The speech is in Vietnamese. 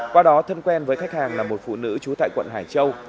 qua đó thân quen với khách hàng là một phụ nữ trú tại quận hải châu